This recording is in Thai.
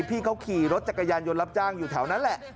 พี่เขาขี่รถจักรยานยนต์รับจ้างอยู่แถวนั้นแหละ